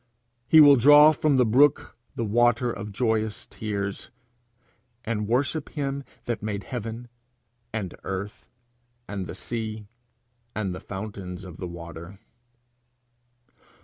He will draw from the brook the water of joyous tears, 'and worship him that made heaven, and earth, and the sea, and the fountains of waters.'